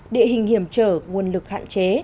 địa hình hiểm trở nguồn lực hạn chế